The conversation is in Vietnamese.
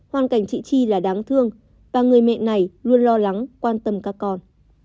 hoàn cảnh chị chi là đáng thương và người mẹ này luôn lo lắng quan tâm các con